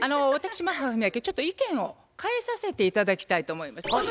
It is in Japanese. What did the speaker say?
私マッハ文朱ちょっと意見を変えさせて頂きたいと思います。